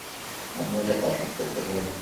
আমরা এটা পাবলিশ করতে পারি।